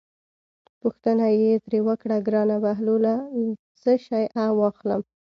پوښتنه یې ترې وکړه: ګرانه بهلوله څه شی واخلم.